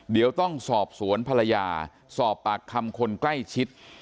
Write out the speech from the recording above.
เดี๋ยวต้องสอบสวนภรรยาสอบปากคำคนใกล้ชิด